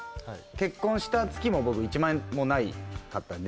結婚した月も僕１万円もなかったんで給料が。